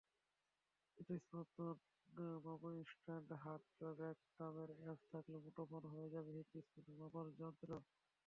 হৃৎস্পন্দন মাপুনইনস্ট্যান্ট heart rate নামের app থাকলে মুঠোফোন হয়ে যাবে হৃৎস্পন্দন মাপার যন্ত্র।